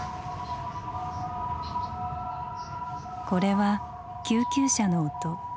これは救急車の音。